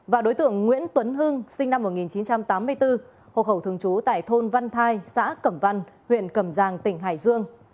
và đối tượng nguyễn tuấn hưng sinh năm một nghìn chín trăm tám mươi bốn hộ khẩu thường trú tại thôn văn thai xã cẩm văn huyện cẩm giang tỉnh hải dương